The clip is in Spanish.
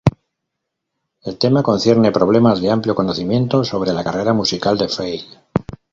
El tema concierne problemas de amplio conocimiento sobre la carrera musical de Fey.